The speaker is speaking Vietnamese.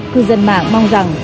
cư dân mạng mong rằng